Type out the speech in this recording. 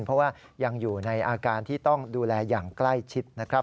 เพราะว่ายังอยู่ในอาการที่ต้องดูแลอย่างใกล้ชิดนะครับ